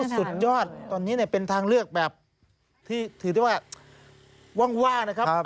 สุดยอดตอนนี้เป็นทางเลือกแบบที่ถือได้ว่าว่างนะครับ